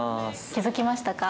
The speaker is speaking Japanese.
気付きましたか？